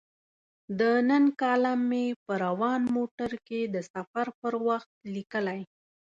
د نن کالم مې په روان موټر کې د سفر پر وخت لیکلی.